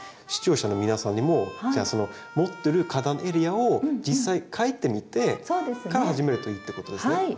視聴者の皆さんにもじゃあその持ってる花壇エリアを実際描いてみてから始めるといいってことですね。